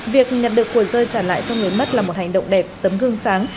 việc nhặt được cuộc rơi trả lại cho người mất là một hành động đẹp tấm gương sáng